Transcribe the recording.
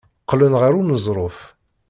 Qqlen ɣer uneẓruf.